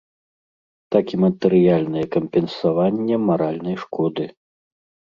Так і матэрыяльнае кампенсаванне маральнай шкоды.